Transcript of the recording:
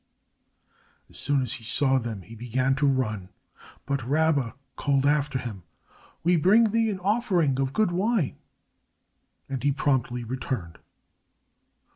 As soon as he saw them he began to run, but Rabba called after him, "We bring thee an offering of good wine," and he promptly returned.